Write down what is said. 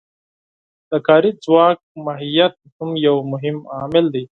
د کاري ځواک ماهیت هم یو مهم عامل دی